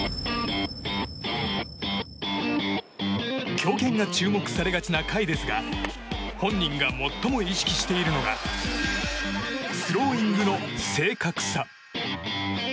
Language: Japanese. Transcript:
強肩が注目されがちな甲斐ですが本人が最も意識しているのがスローイングの正確さ。